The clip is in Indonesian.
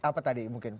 apa tadi mungkin